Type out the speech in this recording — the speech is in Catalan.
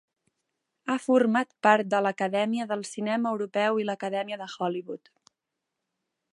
Ha format part de l'Acadèmia del Cinema Europeu i l'Acadèmia de Hollywood.